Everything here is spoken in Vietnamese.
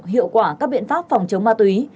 hiệu quả các biện pháp phòng chống ma túy